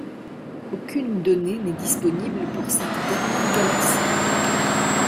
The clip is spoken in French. Aucune donnée n'est disponible pour cette dernière galaxie.